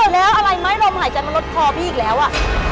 แล้วอะไรไหมลมหายใจมันลดคอพี่อีกแล้วอ่ะ